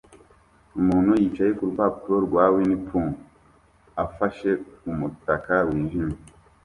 Umuntu yicaye ku rupapuro rwa Winnie pooh afashe umutaka wijimye